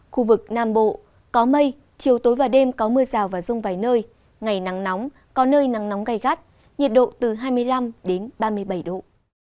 khu vực nam bộ có mây chiều tối và đêm có mưa rào và rông vài nơi ngày nắng nóng có nơi nắng nóng gai gắt nhiệt độ từ hai mươi năm ba mươi bảy độ